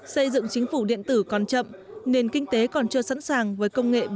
xây dựng chính phủ điện tử còn chậm nền kinh tế còn chưa sẵn sàng với công nghệ bốn